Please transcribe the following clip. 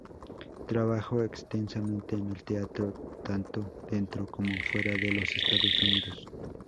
Trabajó extensamente en el teatro, tanto dentro como fuera de los Estados Unidos.